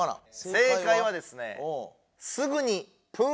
正解はですね